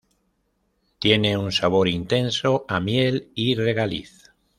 Tiene un sabor intenso a miel y regaliz.